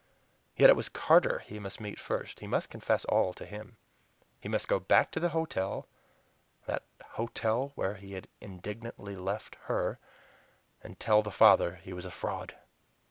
Yet it was Carter he must meet first; he must confess all to him. He must go back to the hotel that hotel where he had indignantly left her, and tell the father he was a fraud.